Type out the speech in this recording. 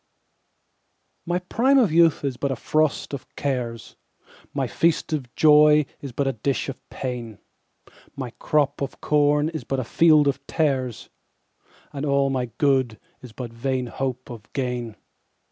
1My prime of youth is but a frost of cares,2My feast of joy is but a dish of pain,3My crop of corn is but a field of tares,4And all my good is but vain hope of gain.